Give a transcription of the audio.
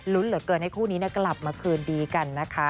เหลือเกินให้คู่นี้กลับมาคืนดีกันนะคะ